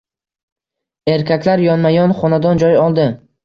Erkaklar yonma-yon xonadan joy oldi.